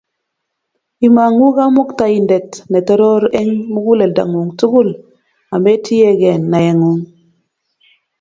Imang'u Kamuktaindet ne Toroor eng' muguleldang'ung' tugul, ametiegei naeng'u.